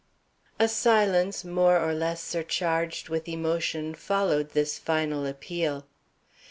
A silence more or less surcharged with emotion followed this final appeal.